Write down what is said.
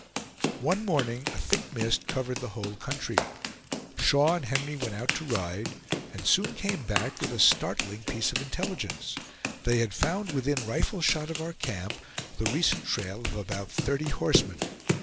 One morning a thick mist covered the whole country. Shaw and Henry went out to ride, and soon came back with a startling piece of intelligence; they had found within rifle shot of our camp the recent trail of about thirty horsemen.